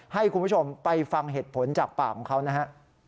ให้คุณผู้ชมไปฟังเหตุผลจากปากของเขานะฮะ